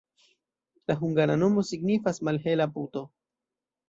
La hungara nomo signifas: malhela puto.